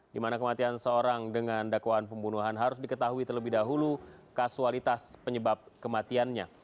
di mana kematian seorang dengan dakwaan pembunuhan harus diketahui terlebih dahulu kasualitas penyebab kematiannya